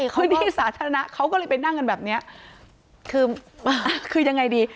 เขาที่สาธารณะเขาก็เลยไปนั่งกันแบบนี้คือคือยังไงดี